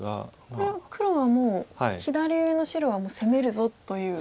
これは黒はもう左上の白は攻めるぞという。